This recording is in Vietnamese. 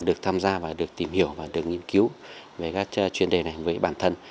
được tham gia và được tìm hiểu và được nghiên cứu về các chuyên đề này với bản thân